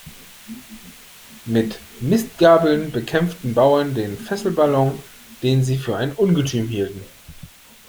Mit Mistgabeln bekämpften Bauern den Fesselballon, den Sie für ein Ungetüm hielten.